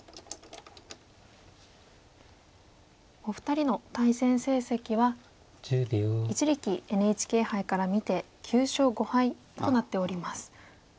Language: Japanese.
お二人の対戦成績は一力ＮＨＫ杯から見て９勝５敗となっております。